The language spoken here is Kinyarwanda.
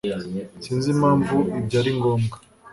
sinzi impamvu ibyo ari ngombwa